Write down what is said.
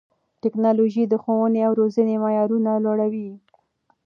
ټیکنالوژي د ښوونې او روزنې معیارونه لوړوي.